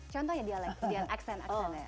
contohnya dialek kemudian aksen